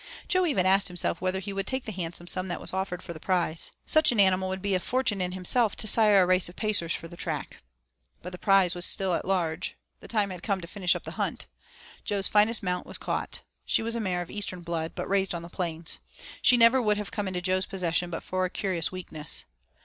Jo even asked himself whether he would take the handsome sum that was offered for the prize. Such an animal would be a fortune in himself to sire a race of pacers for the track. But the prize was still at large the time had come to finish up the hunt. Jo's finest mount was caught. She was a mare of Eastern blood, but raised on the plains. She never would have come into Jo's possession but for a curious weakness.